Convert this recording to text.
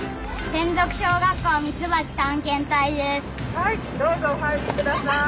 「はいどうぞお入りください」。